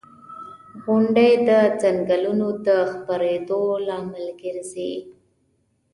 • غونډۍ د ځنګلونو د خپرېدو لامل ګرځي.